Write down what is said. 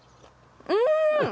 うん！